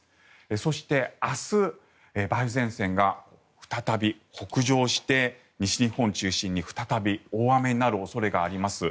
そして、明日梅雨前線が再び北上して西日本を中心に再び大雨になる恐れがあります。